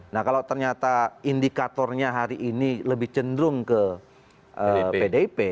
nah kalau ternyata indikatornya hari ini lebih cenderung ke pdip